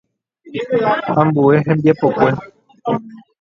Ambue hembiapokue.